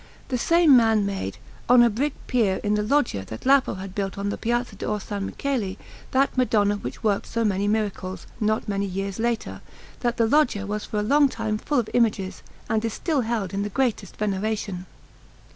The same man made, on a brick pier in the Loggia that Lapo had built on the Piazza d'Orsanmichele, that Madonna which worked so many miracles, not many years later, that the Loggia was for a long time full of images, and is still held in the greatest veneration.